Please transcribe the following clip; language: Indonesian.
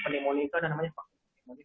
pneumonia itu ada namanya vaksin pneumonia